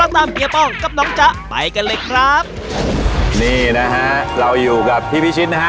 ตามเฮียป้องกับน้องจ๊ะไปกันเลยครับนี่นะฮะเราอยู่กับพี่พิชิตนะฮะ